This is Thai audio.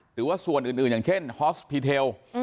หรือว่าส่วนอื่นอย่างเช่นฮอสพีเทล